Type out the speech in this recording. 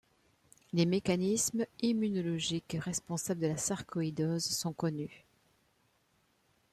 Les mécanismes immunologiques responsables de la sarcoïdose sont connus.